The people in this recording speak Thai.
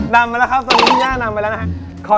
นำไปแล้วครับตรงนี้ย่างน่ำไปแล้วนะครับ